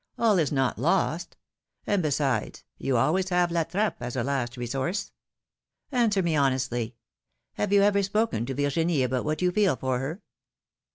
All is not lost! And, besides, you always have La Trappe as a last resource. Answer me honestly ; have you ever spoken to Virginie about what you feel for her?